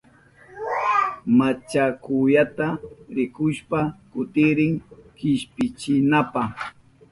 Machakuyata rikushpa kutirin kishpinanpa.